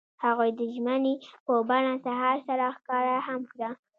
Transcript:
هغوی د ژمنې په بڼه سهار سره ښکاره هم کړه.